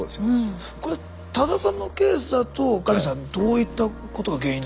これ多田さんのケースだとカミヤさんどういったことが原因なんでしょう？